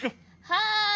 はい！